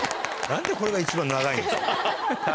何でこれが一番長いの？